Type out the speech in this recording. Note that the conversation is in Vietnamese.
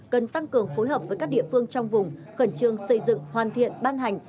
cần tăng cường phối hợp với các địa phương trong vùng khẩn trương xây dựng hoàn thiện ban hành